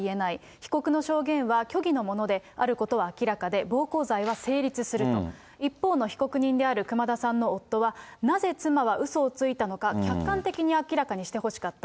被告の証言は虚偽のものであることは明らかで、暴行罪は成立すると、一方の被告人である熊田さんの夫は、なぜ妻はうそをついたのか、客観的に明らかにしてほしかった。